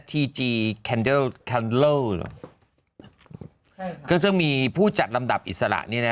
ทีจีแคนเดิลแคนเลิลก็จะมีผู้จัดลำดับอิสระนี่นะ